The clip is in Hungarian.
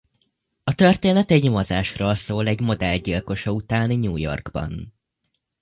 A történet egy nyomozásról szól egy modell gyilkosa után New Yorkban.